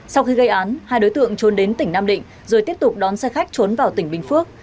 sau khi gây án hai đối tượng trốn đến tỉnh nam định rồi tiếp tục đón xe khách trốn vào tỉnh bình phước